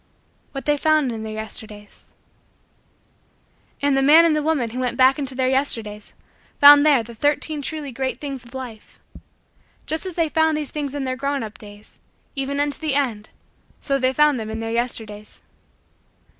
What They Found in Their Yesterdays And the man and the woman who went back into Their Yesterdays found there the Thirteen Truly Great Things of Life. Just as they found these things in their grown up days, even unto the end, so they found them in Their Yesterdays.